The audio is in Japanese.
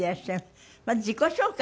まず自己紹介